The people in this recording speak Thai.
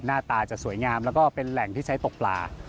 หน้าตาจะสวยงามแล้วก็เป็นแหล่งที่ใช้ตกปลา